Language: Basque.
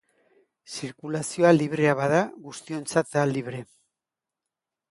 Zirkulazioa librea bada, guztiontzat da librea.